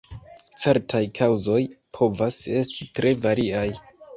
Certaj kaŭzoj povas esti tre variaj.